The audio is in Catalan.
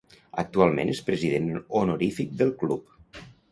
Actualment és president honorífic del club.